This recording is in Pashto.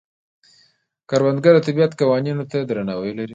کروندګر د طبیعت قوانینو ته درناوی لري